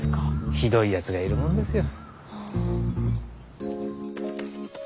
ひどいヤツがいるもんですよ。